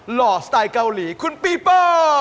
หล่อสไตล์เกาหลีคุณปีโป้